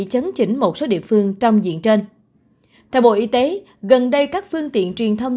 chấn chỉnh một số địa phương trong diện trên theo bộ y tế gần đây các phương tiện truyền thông